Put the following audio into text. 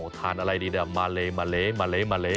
ทานอะไรดีเนี่ยมาเล